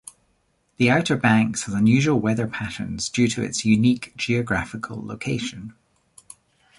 The Outer Banks has unusual weather patterns due to its unique geographical location.